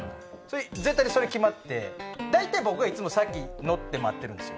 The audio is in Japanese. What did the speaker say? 絶対にそれ決まってて大体僕がいつも先乗って待ってるんですよ。